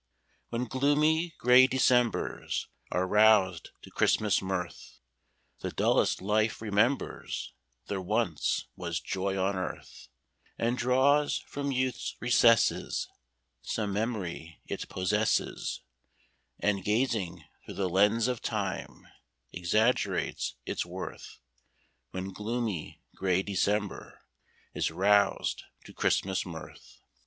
When gloomy, gray Decembers are roused to Christmas mirth, The dullest life remembers there once was joy on earth, And draws from youth's recesses Some memory it possesses, And, gazing through the lens of time, exaggerates its worth, When gloomy, gray December is roused to Christmas mirth.